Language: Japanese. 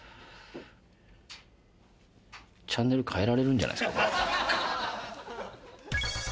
チャンネル変えられるんじゃないですかこれ。